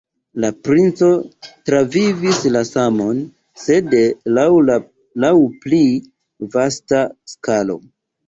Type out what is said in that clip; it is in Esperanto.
La princo travivis la samon, sed laŭ pli vasta skalo.